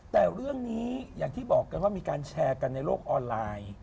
แต่เรื่องนี้อย่างที่บอกกันว่ามีการแชร์กันในโลกออนไลน์